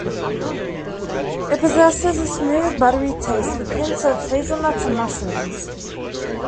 It possesses a smooth buttery taste, with hints of hazelnuts and mushrooms.